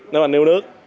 nếu anh yêu nước